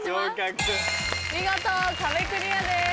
見事壁クリアです。